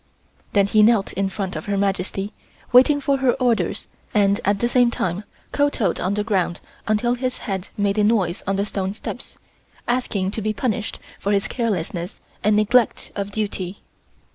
Then he knelt in front of Her Majesty waiting for her orders and at the same time kowtowed on the ground until his head made a noise on the stone steps, asking to be punished for his carelessness and neglect of duty.